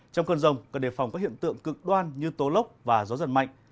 trong cơn rông cần đề phòng các hiện tượng cực đoan như tố lốc và gió giật mạnh